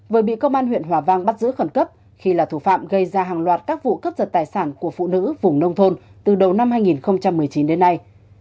vừa bị công an huyện hòa vang bắt giữ khẩn cấp khi là thủ phạm gây ra hàng loạt các vụ cướp giật tài sản của phụ nữ vùng nông thôn từ đầu năm hai nghìn một mươi chín đến nay